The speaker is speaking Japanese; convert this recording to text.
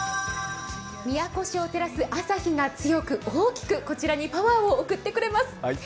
宮古市を照らす朝日が照らす、大きく、こちらにパワーを送ってくれます。